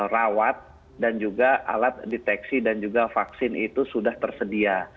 rawat dan juga alat deteksi dan juga vaksin itu sudah tersedia